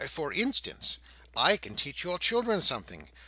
For instance, I can teach your children something.